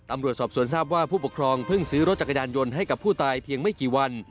ตำรวจสอบสวนทราบว่าผู้ปกครองเพิ่งซื้อรถจักรยานยนต์ให้กับผู้ตายเพียงไม่กี่วัน